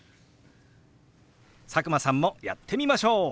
佐久間さんもやってみましょう！